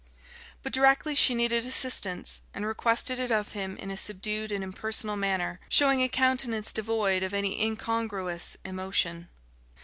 But directly she needed assistance, and requested it of him in a subdued and impersonal manner, showing a countenance devoid of any incongruous emotion.